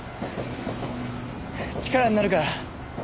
力になるから。